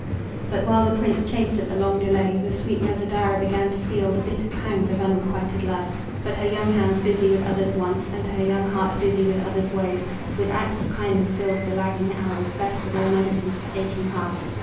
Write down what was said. But while the prince chafed at the long delay, The sweet Yasodhara began to feel The bitter pangs of unrequited love. But her young hands, busy with others' wants, And her young heart, busy with others' woes, With acts of kindness filled the lagging hours, Best of all medicines for aching hearts.